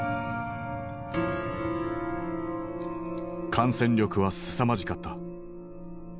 感染力はすさまじかった。